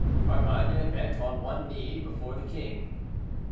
Carmainges bent one knee before the king.